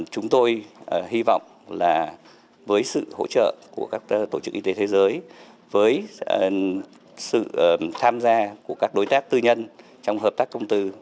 chúng tôi hy vọng là với sự hỗ trợ của các tổ chức y tế thế giới với sự tham gia của các đối tác tư nhân trong hợp tác công tư